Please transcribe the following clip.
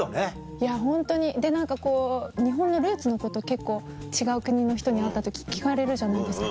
いやホントにで何かこう日本のルーツのこと結構違う国の人に会った時聞かれるじゃないですか。